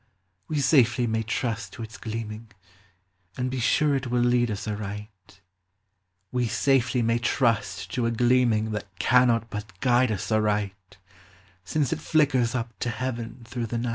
we safely may trust to its gleaming, And be sure it will lead us aright : We safely may trust to a gleaming That cannot but guide us aright, Since it flickers up to TTen von through the night."